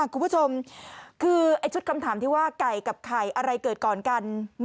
คุณผู้ชมคือชุดคำถามที่ว่าไก่กับไข่อะไรเกิดก่อนกัน